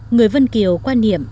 người vân kiều quan niệm